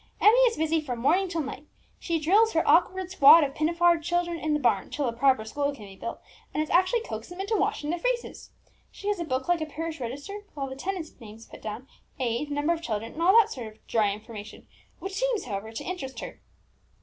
"Emmie is busy from morning till night; she drills her awkward squad of pinafored children in the barn, till a proper school can be built, and has actually coaxed them into washing their faces! She has a book like a parish register, with all the tenants' names put down, age, number of children, and all that sort of dry information; which seems, however, to interest her.